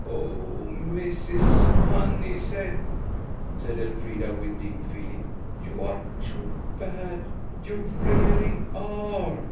"Oh, Mrs. Honeysett," said Elfrida, with deep feeling, "you are too bad–you really are!"